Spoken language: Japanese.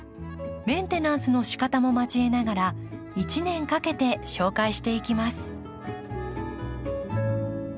メンテナンスのしかたも交えながら一年かけて紹介していきます。